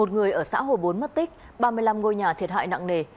một người ở xã hồ bốn mất tích ba mươi năm ngôi nhà thiệt hại nặng nề